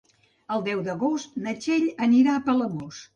El deu d'agost na Txell anirà a Palamós.